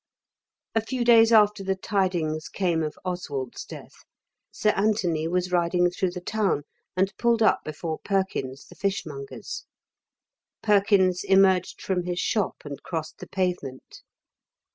A few days after the tidings came of Oswald's death, Sir Anthony was riding through the town and pulled up before Perkins' the fishmonger's. Perkins emerged from his shop and crossed the pavement.